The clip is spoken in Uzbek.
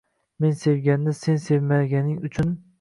Men sevganni sen sevmaganing-chun